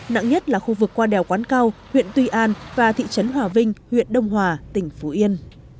nặng nhất là khu vực qua đèo quán cao huyện tuy an và thị trấn hòa vinh huyện đông hòa tỉnh phú yên